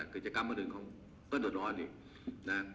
กิจกรรมพอดื่มก็เดือดร้อนดินะครับ